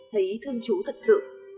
thấy thương chú thật sự